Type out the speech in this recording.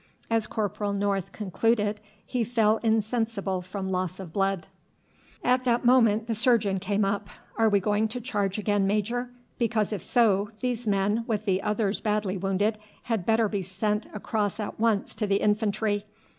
As Corporal North concluded he fell insensible from loss of blood. At that moment the surgeon came up. "Are we going to charge again, major? because if so, these men, with the others badly wounded, had better be sent across at once to the infantry.